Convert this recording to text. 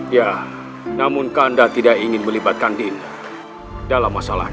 ya namun kanda tidak ingin melibatkan dinda